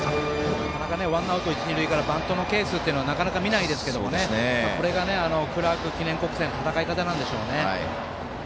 なかなかワンアウト、一塁からバントのケースはなかなか見ないですけどこれがクラーク記念国際の戦い方なんでしょうね。